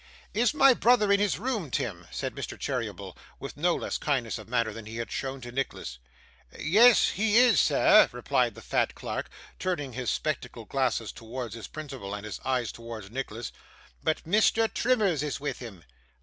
'Is my brother in his room, Tim?' said Mr. Cheeryble, with no less kindness of manner than he had shown to Nicholas. 'Yes, he is, sir,' replied the fat clerk, turning his spectacle glasses towards his principal, and his eyes towards Nicholas, 'but Mr. Trimmers is with him.